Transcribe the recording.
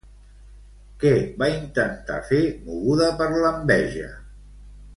Què va intentar fer, moguda per l'enveja?